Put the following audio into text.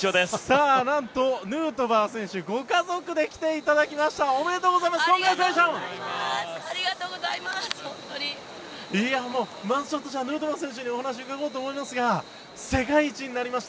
さあ、なんとヌートバー選手ご家族で来ていただきました。